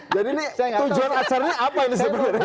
ini tujuan acaranya apa ini sebenarnya